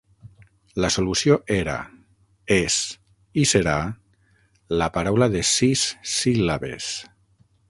La solució era, és, i serà, la paraula de sis síl·labes.